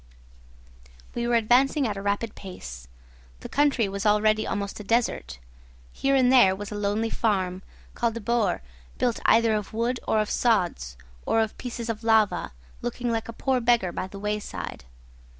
We were advancing at a rapid pace. The country was already almost a desert. Here and there was a lonely farm, called a boër built either of wood, or of sods, or of pieces of lava, looking like a poor beggar by the wayside.